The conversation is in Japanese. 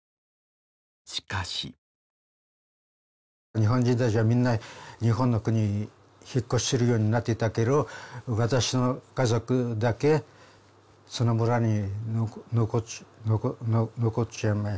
しかし日本人達はみんな日本の国に引っ越しするようになってたけど私の家族だけその村に残っちゃ残っちゃいました